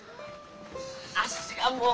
足がもう。